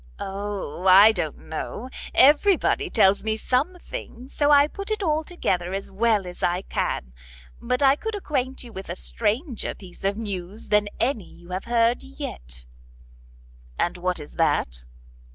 "O, I don't know; everybody tells me something, so I put it all together as well as I can. But I could acquaint you with a stranger piece of news than any you have heard yet." "And what is that?"